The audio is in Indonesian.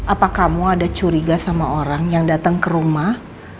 apa kamu ada curiga sama orang yang datang ke rumah